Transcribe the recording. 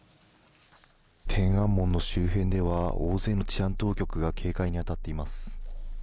天安門の周辺では、大勢の治安当局が警戒に当たっています。